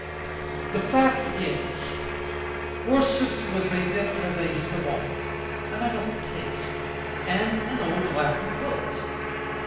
The fact is, Ursus was a bit of a savant, a man of taste, and an old Latin poet.